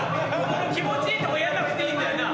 気持ちいいところやんなくていいんだよなぁ！